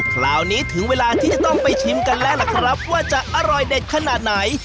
พี่ชิมอีกบ้างละครับเนี้ยมาแล้วค่ะพร้อมจะชิมสิมีน้องใบตองแล้วใช่ค่ะ